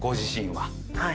はい。